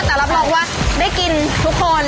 แต่รับรองว่าได้กินทุกคน